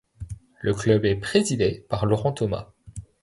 Le club est présidé par Laurent Thomas.